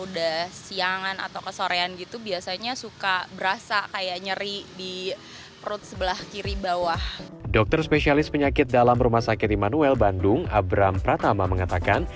dokter spesialis penyakit dalam rumah sakit immanuel bandung abram pratama mengatakan